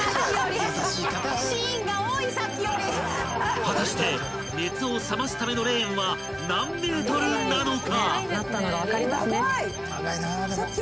［果たして熱を冷ますためのレーンは何ｍなのか？］